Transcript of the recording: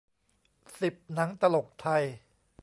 สิบ หนังตลกไทย